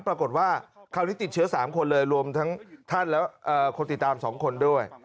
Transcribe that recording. ปรากฏว่าคราวนี้ติดเชื้อ๓คนเลยรวมทั้งท่านและคนติดตาม๒คนด้วย